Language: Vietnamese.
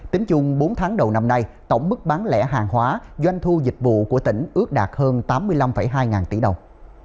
tính chung bốn tháng đầu năm nay tổng mức bán lẻ hàng hóa doanh thu dịch vụ của tỉnh ước đạt hơn tám mươi năm hai ngàn tỷ đồng